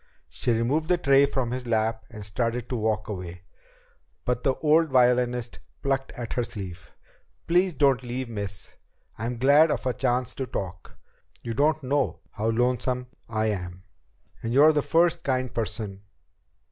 She removed the tray from his lap and started to walk away, but the old violinist plucked at her sleeve. "Please don't leave, miss. I'm glad of a chance to talk. You don't know how lonesome I am. And you're the first kind person